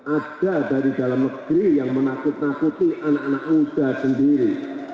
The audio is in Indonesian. ada dari dalam negeri yang menakut nakuti anak anak muda sendiri